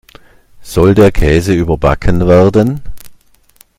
Soll der Käse überbacken werden?